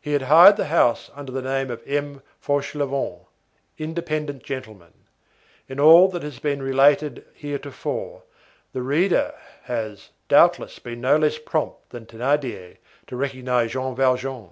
He had hired the house under the name of M. Fauchelevent, independent gentleman. In all that has been related heretofore, the reader has, doubtless, been no less prompt than Thénardier to recognize Jean Valjean.